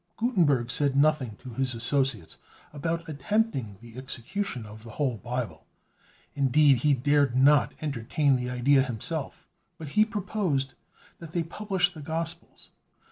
Gutenberg said nothing to his associates about attempting the execution of the whole Bible; indeed, he dared not entertain the idea himself; but he proposed that they publish the Gospels.